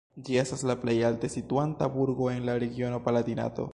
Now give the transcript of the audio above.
Ĝi estas la plej alte situanta burgo en la regiono Palatinato.